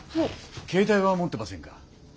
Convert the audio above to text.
携帯は持ってませんか？